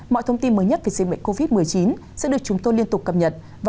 mọi thông tin mới nhất về dịch bệnh covid một mươi chín sẽ được chúng tôi liên tục cập nhật